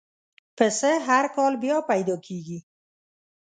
پسه هر کال بیا پیدا کېږي.